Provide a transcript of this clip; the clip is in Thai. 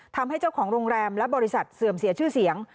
ทำให้เจ้าของโรงแรมและบริษัทเสื่อมเสียชื่อเสียง